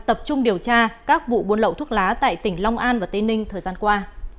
tập trung điều tra các vụ buôn lậu thuốc lá tại tỉnh long an và tây ninh thời gian qua